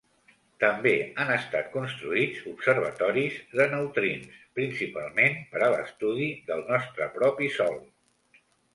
També han estat construïts observatoris de neutrins, principalment per a l'estudi del nostre propi Sol.